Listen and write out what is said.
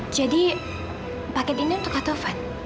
jadi paket ini untuk kak taufan